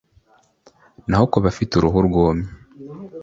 naho ku bafite uruhu rwumye